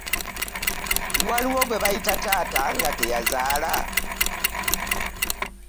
Waliwo gwe bayita taata nga teyazaala?